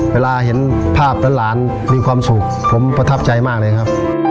เวลาเห็นภาพร้อนมีความสุขผมประทับใจมากเลยครับ